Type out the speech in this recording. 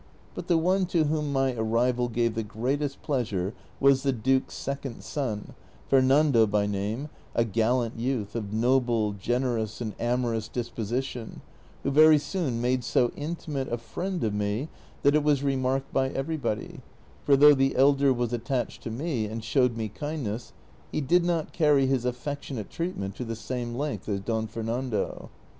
But the one to whom my ar rival gave the greatest pleasure was the duke's second son, Fernando by name, a gallant youth, of noble, generous, and amorous dispo sition, who very soon made so intimate a friend of me that it was remarked by everybody ; for though the elder was attached to me, and showed me kindness, he did not carry his aftectionate treatment to the same length as Don Fernando.